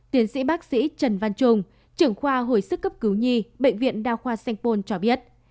tiến sĩ bác sĩ trần văn trung trưởng khoa hồi sức cấp cứu nhi bệnh viện đao khoa saint paul cho biết